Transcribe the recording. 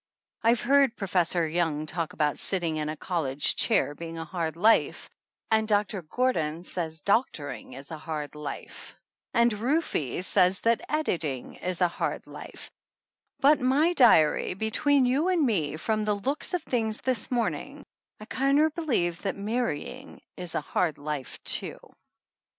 87 THE ANNALS OF ANN I've heard Professor Young talk about sit ting in a college chair being a hard life, and Doctor Gordon says doctoring is a hard life, and Rufe says that editing is a hard life, but, my diary, between you and me, from the looks of things this morning, I kinder believe that marrying is a hard life, too.